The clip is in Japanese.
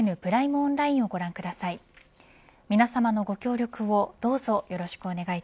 オンラインをご覧ください。